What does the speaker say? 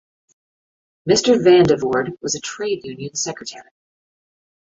Mr Van De Voorde was a trade union secretary.